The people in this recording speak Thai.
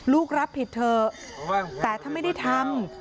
รับผิดเถอะแต่ถ้าไม่ได้ทำ